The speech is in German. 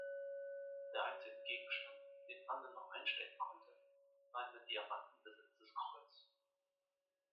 Der einzige Gegenstand den Anne noch einstecken konnte, war ein mit Diamanten besetztes Kreuz.